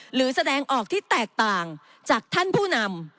หรือแสดงออกที่แตกต่างจากท่านผู้นำ